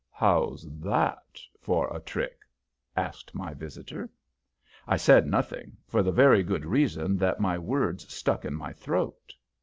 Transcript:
"How's that for a trick?" asked my visitor. I said nothing, for the very good reason that my words stuck in my throat.